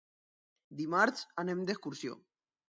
Dimarts anem d'excursió.